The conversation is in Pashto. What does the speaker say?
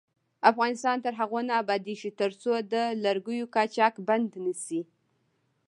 افغانستان تر هغو نه ابادیږي، ترڅو د لرګیو قاچاق بند نشي.